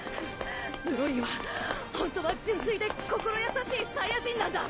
ブロリーは本当は純粋で心優しいサイヤ人なんだ。